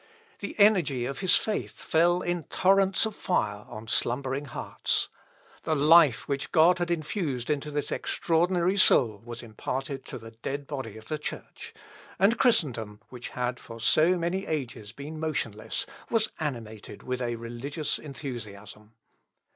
The energy of his faith fell in torrents of fire on slumbering hearts. The life which God had infused into this extraordinary soul was imparted to the dead body of the Church; and Christendom, which had for so many ages been motionless, was animated with a religious enthusiasm.